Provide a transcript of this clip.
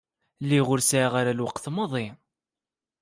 Lliɣ ur sɛiɣ ara lweqt maḍi.